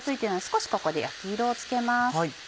少しここで焼き色をつけます。